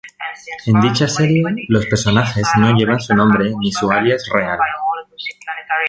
En dicha serie los personajes no llevan su nombre ni su alias real.